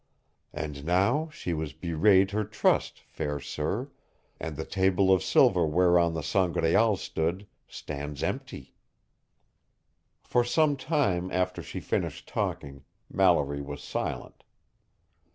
And now she was bewrayed her trust, fair sir, and the table of silver whereon the Sangraal stood stands empty." For some time after she finished talking, Mallory was silent.